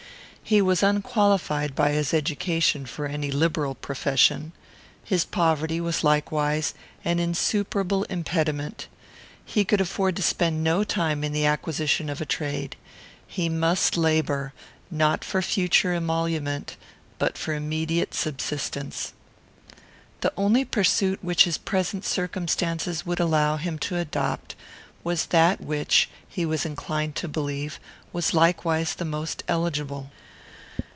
He was unqualified, by his education, for any liberal profession. His poverty was likewise an insuperable impediment. He could afford to spend no time in the acquisition of a trade. He must labour, not for future emolument, but for immediate subsistence. The only pursuit which his present circumstances would allow him to adopt was that which, he was inclined to believe, was likewise the most eligible.